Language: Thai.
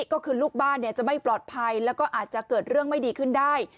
ก็คือลูกบ้านจะไม่ปลอดภัยแล้วก็อาจจะเกิดเรื่องไม่ดีขึ้นได้